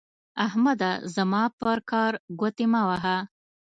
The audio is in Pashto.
احمده زما پر کار ګوتې مه وهه.